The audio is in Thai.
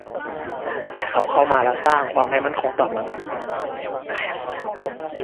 แต่เขาเข้ามาแล้วสร้าง ความไม่มั่นคงต่อมึง